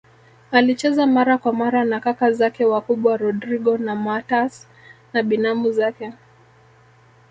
alicheza mara kwa mara na kaka zake wakubwa Rodrigo na MatÃas na binamu zake